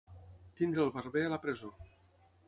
Tenir el barber a la presó.